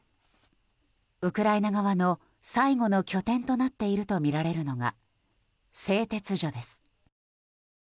ウクライナ側の最後の拠点となっているとみられるのが製鉄所です。